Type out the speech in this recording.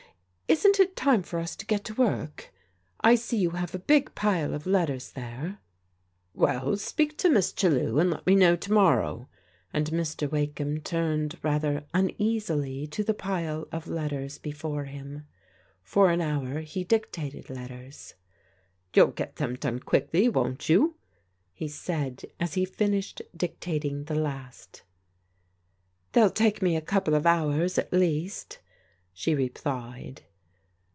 Isn't it time for us to get to work? I see you have a big pile of letters there." "Well, speak to Miss Chellew and let me know to morrow," and Mr. Wakeham turned rather uneasily to the pile of letters before him. 220 PRODIGAL DAUGHTEES For an hour he dictated letters. " You'll get them done quickly, won't you? '* he said as he finished dictating the last. " They'll take me a couple of hours at least/* she re plied.